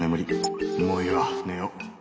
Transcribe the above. もういいわ寝よう。